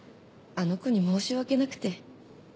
あの子に申し訳なくて。